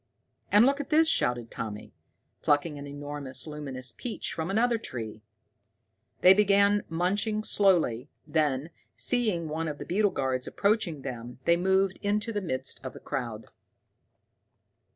"And look at this!" shouted Tommy, plucking an enormous luminous peach from another tree. They began munching slowly, then, seeing one of the beetle guards approaching them, they moved into the midst of the crowd.